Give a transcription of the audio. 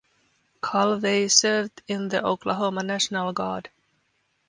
Calvey served in the Oklahoma National Guard.